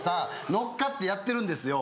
のっかってやってるんですよ